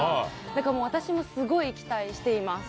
だからもう、私もすごい期待しています。